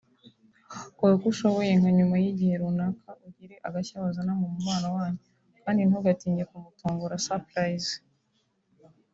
kora uko ushoboye nka nyuma y’igihe runaka ugire agashya wazana mu mubano wanyu kandi ntugatinye kumutungura (surprise)